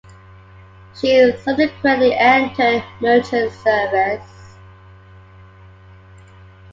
She subsequently entered merchant service.